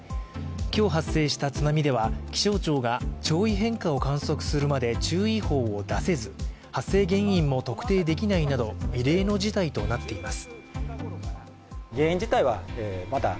今日発生した津波では気象庁が潮位変化を観測するまで注意報を出せず発生原因も特定できないなど異例の事態となっています。